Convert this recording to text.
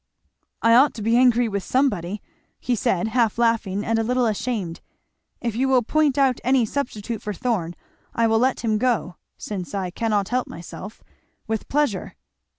"I ought to be angry with somebody," he said, half laughing and a little ashamed; "if you will point out any substitute for Thorn I will let him go since I cannot help myself with pleasure."